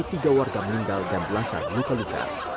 ketiga warga meninggal dan belasan dikelikan